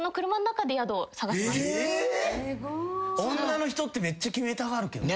女の人ってめっちゃ決めたがるけど。